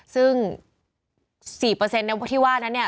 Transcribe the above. ซึ่ง๔เปอร์เซ็นต์ในวัฒน์นั้นเนี่ย